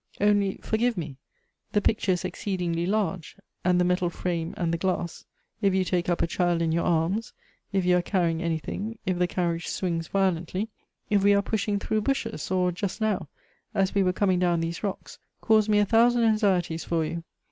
Only, forgive me, the picture is exceedingly large, and the metal frame and the glass, if you take up a child in your arms, if you are cari ying anything, if the carriage swings violently, if we are pushing through bushes, or just now, as we were coming down these rocks, — cause me a thousand anxieties for you.